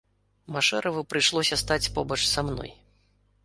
Машэраву прыйшлося стаць побач са мной.